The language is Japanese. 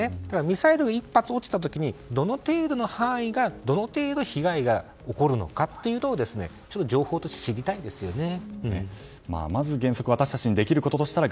ミサイル１発落ちた時にどの程度の範囲に被害が起こるのかというのを情報として知りたいんですね。